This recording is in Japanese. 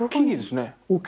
大きいですね。